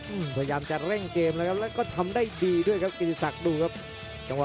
อืมพยายามจะแร่งเกมแล้วแล้วก็ทำได้ดีด้วยครับกิจิสัครดูครับ